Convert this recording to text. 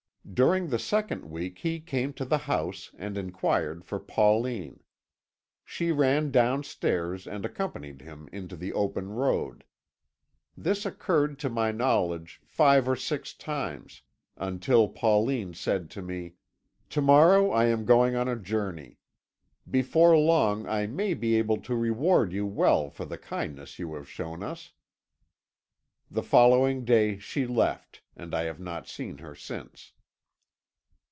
During the second week he came to the house, and inquired for Pauline. She ran downstairs and accompanied him into the open road. This occurred to my knowledge five or six times, until Pauline said to me, 'To morrow I am going on a journey. Before long I may be able to reward you well for the kindness you have shown us.' The following day she left, and I have not seen her since."